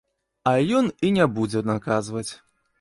А ён і не будзе наказваць.